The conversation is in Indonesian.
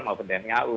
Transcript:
maupun tni au